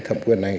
thẩm quyền này